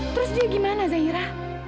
terus dia gimana zaira